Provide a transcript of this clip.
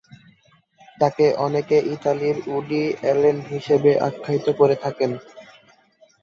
তাকে অনেকে ইতালির উডি অ্যালেন হিসেবে আখ্যায়িত করে থাকেন।